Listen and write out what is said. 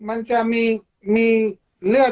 แต่หนูจะเอากับน้องเขามาแต่ว่า